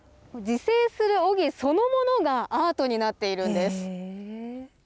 自生するオギそのものがアートになっているんです。